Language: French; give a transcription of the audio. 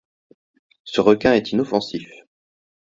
Ce requin est inoffensif.